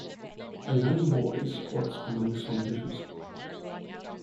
A young boy squats among some bushes.